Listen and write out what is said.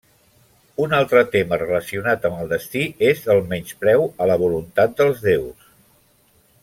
Un altre tema relacionat amb el destí és el menyspreu a la voluntat dels déus.